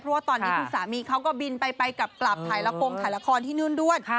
เพราะว่าตอนนี้คุณสามีเขาก็บินไปกลับถ่ายละครถ่ายละครที่นู่นด้วย